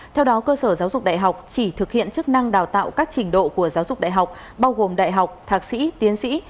theo đó cơ sở giáo dục đại học chỉ thực hiện chức năng đào tạo các trình độ của giáo dục đại học bao gồm đại học thạc sĩ tiến sĩ